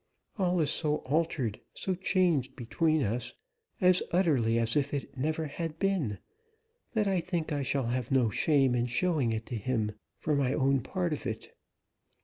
All is so altered, so changed between us, as utterly as if it never had been, that I think I shall have no shame in showing it him, for my own part of it.